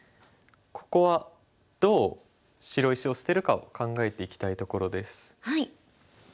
ここはどう白石を捨てるかを考えていきたいところです。